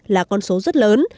là con số rất lớn